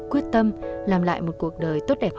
quyết tâm làm lại một cuộc đời tốt đẹp